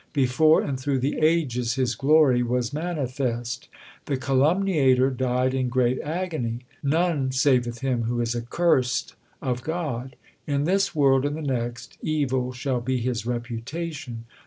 Before and through the ages His glory was manifest The calumniator died in great agony. None saveth him who is accursed of God : In this world and the next evil shall be his reputation.